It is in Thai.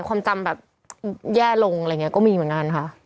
ความจำแบบแย่ลงอะไรอย่างนี้ก็มีเหมือนกันค่ะ